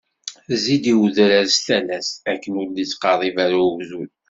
Zzi-d i wedrar s talast akken ur d-ittqerrib ara ugdud.